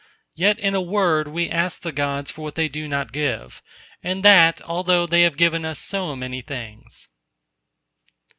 Yet in a word, we ask the Gods for what they do not give; and that, although they have given us so many things!